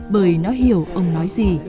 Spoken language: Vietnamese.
bởi nó hiểu ông nói gì